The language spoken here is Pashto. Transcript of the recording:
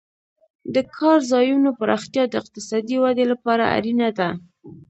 د کار ځایونو پراختیا د اقتصادي ودې لپاره اړینه ده.